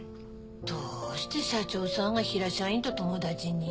どうして社長さんがヒラ社員と友達に？